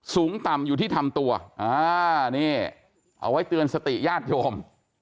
สูงต่ำอยู่ที่ทำตัวอ่านี่เอาไว้เตือนสติญาติโยม